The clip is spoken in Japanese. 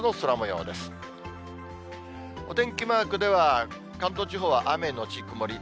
お天気マークでは、関東地方は雨後曇り。